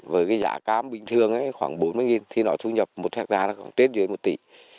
với giá cam bình thường khoảng bốn mươi thì nó thu nhập một hectare khoảng trên duyên một tỷ